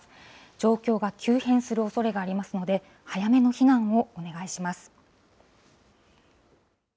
状況が急変するおそれがありますので、早めの避難をお願いします。